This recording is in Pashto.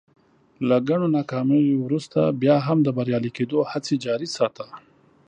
له ګڼو ناکاميو ورورسته بيا هم د بريالي کېدو هڅې جاري ساته.